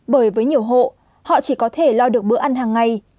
bởi với nhiều hộ họ chỉ có thể lo được bữa ăn hàng ngày